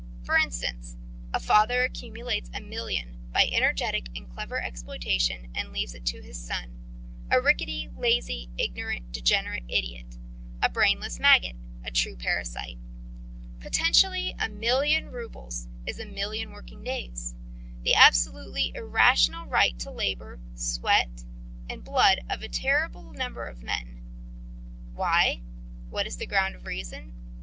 For instance: a father accumulates a million by energetic and clever exploitation, and leaves it to his son a rickety, lazy, ignorant, degenerate idiot, a brainless maggot, a true parasite. Potentially a million rubles is a million working days, the absolutely irrational right to labour, sweat, life, and blood of a terrible number of men. Why? What is the ground of reason?